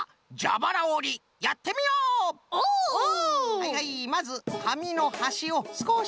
はいはいまずかみのはしをすこしおる。